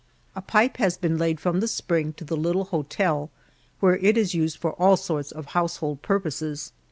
A pipe has been laid from the spring to the little hotel, where it is used for all sorts of household purposes.